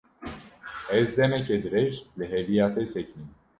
Ez demeke dirêj li hêviya te sekinîm.